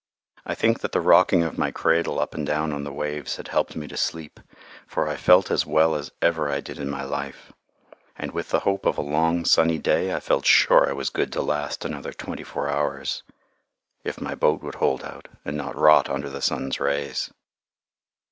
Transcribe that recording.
I think that the rocking of my cradle up and down on the waves had helped me to sleep, for I felt as well as ever I did in my life; and with the hope of a long sunny day, I felt sure I was good to last another twenty four hours, if my boat would hold out and not rot under the sun's rays.